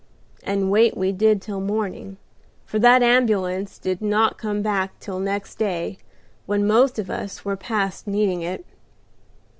And wait we did till morning, for that ambulance did not come back till next day, when most of us were past needing it.